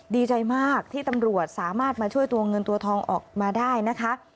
ดีใจมากที่ตำรวจสามารถมาช่วยตัวเงินตัวทองออกมาได้นะคะ